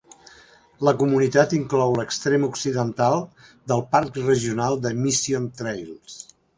La comunitat inclou l'extrem occidental del Parc Regional de Mission Trails.